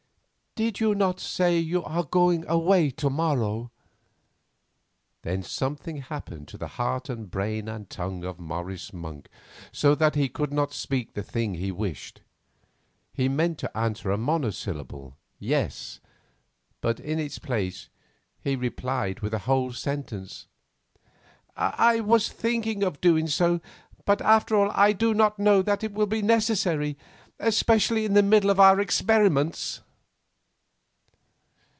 "Did you not say that you are going away to morrow?" Then something happened to the heart and brain and tongue of Morris Monk so that he could not speak the thing he wished. He meant to answer a monosyllable "Yes," but in its place he replied with a whole sentence. "I was thinking of doing so; but after all I do not know that it will be necessary; especially in the middle of our experiments."